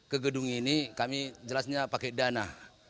ke gedung ini kami jelasnya pakai dana